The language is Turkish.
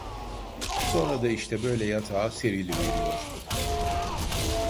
Sonra da işte böyle yatağa seriliveriyor…